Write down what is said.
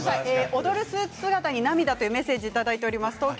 踊るスーツ姿に涙というメッセージが届いています。